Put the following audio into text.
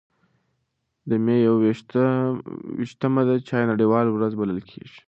د مې یو ویشتمه د چای نړیواله ورځ بلل کېږي.